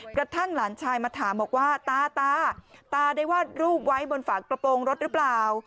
กระทั่งหลานชายมาถามบอกว่าตาตาได้วาดรูปไว้บนฝากระโปรงรถหรือเปล่า